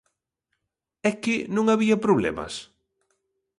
¿É que non había problemas?